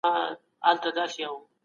تیوري موږ ته لیدلوری راکوي.